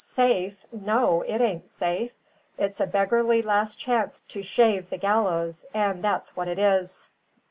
Safe! no, it ain't safe; it's a beggarly last chance to shave the gallows, and that's what it is."